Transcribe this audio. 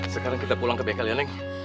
sekarang kita pulang ke bengkel ya neng